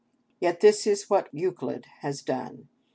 Yet this is what Euclid has done.